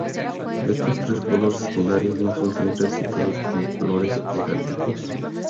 Estos tres colores secundarios no son siempre citados como colores heráldicos.